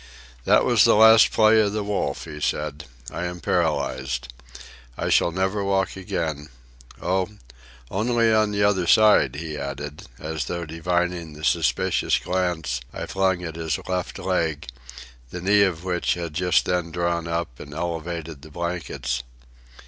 "That was the last play of the Wolf," he said. "I am paralysed. I shall never walk again. Oh, only on the other side," he added, as though divining the suspicious glance I flung at his left leg, the knee of which had just then drawn up, and elevated the blankets.